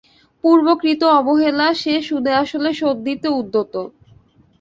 পূর্বকৃত অবহেলা সে সুদে আসলে শোধ দিতে উদ্যত।